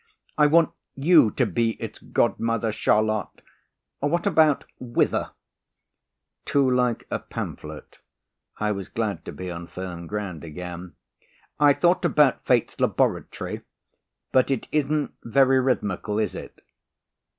I want you to be its god mother, Charlotte. What about 'Whither'?" "Too like a pamphlet," I was glad to be on firm ground again. "I thought about 'Fate's Laboratory,' but it isn't very rhythmical, is it?"